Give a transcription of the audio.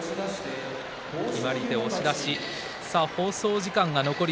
決まり手、押し出し。